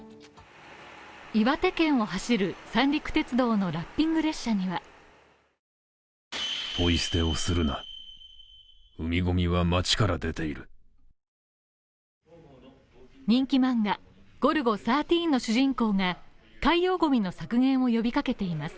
岩手県を走る三陸鉄道のラッピング列車には人気漫画「ゴルゴ１３」の主人公が、海洋ゴミの削減を呼びかけています。